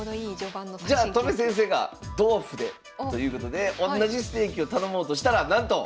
じゃあ戸辺先生が「同歩で」ということでおんなじステーキを頼もうとしたらなんと！